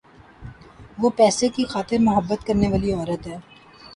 وہ پیسے کی خاطر مُحبت کرنے والی عورت ہے۔`